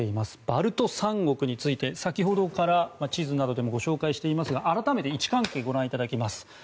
バルト三国について先ほどから地図などでもご紹介していますが、改めて位置関係をご覧いただきます。